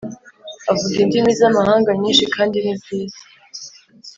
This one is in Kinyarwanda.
Avuga indimi zamahanga nyishi kandi nibyiza